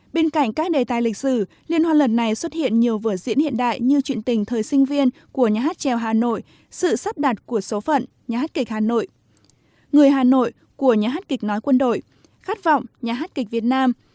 bên cạnh các đề tài lịch sử liên hoan lần này xuất hiện nhiều vở diễn hiện đại như chuyện tình thời sinh viên của nhà hát trèo hà nội sự sắp đặt của số phận nhà hát kịch hà nội người hà nội của nhà hát kịch nói quân đội khát vọng nhà hát kịch việt nam